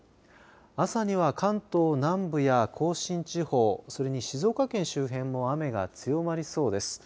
朝には関東南部や甲信地方、それに静岡県周辺も雨が強まりそうです。